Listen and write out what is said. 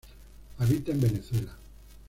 Habita en Venezuela.